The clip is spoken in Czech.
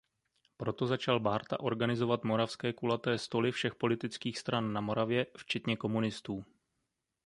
Proto začal Bárta organizovat moravské kulaté stoly všech politických stran na Moravě včetně komunistů.